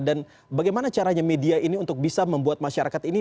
dan bagaimana caranya media ini untuk bisa membuat masyarakat ini